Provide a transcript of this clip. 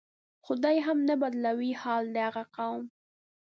خدای هم نه بدلوي حال د هغه قوم